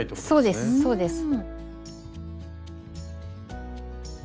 そうですそうです。